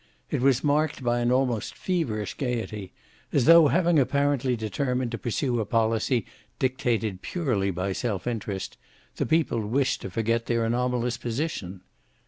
It was marked by an almost feverish gayety, as though, having apparently determined to pursue a policy dictated purely by self interest, the people wished to forget their anomalous position.